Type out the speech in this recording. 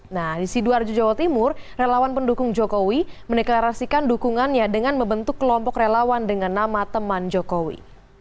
nah di sidoarjo jawa timur relawan pendukung jokowi mendeklarasikan dukungannya dengan membentuk kelompok relawan dengan nama teman jokowi